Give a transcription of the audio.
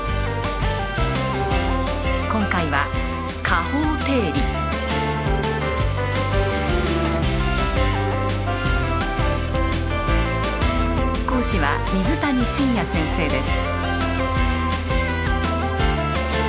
今回は講師は水谷信也先生です。